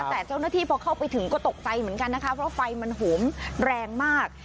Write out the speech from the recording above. แต่เจ้าหน้าที่พอเข้าไปถึงก็ตกใจเหมือนกันนะคะเพราะไฟมันโหมแรงมาก